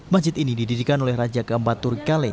masjid ini dididikan oleh raja keempat turi kale